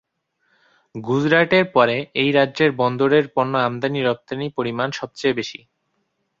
গুজরাটের পরে এই রাজ্যের বন্দরের পণ্য আমদানি রপ্তানি পরিমাণ সবচেয় বেশি।